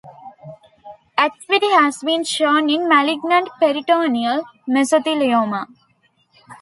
Activity has been shown in malignant peritoneal mesothelioma.